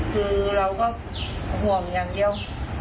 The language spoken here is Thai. คือเราก็ห่วงอย่างเดียว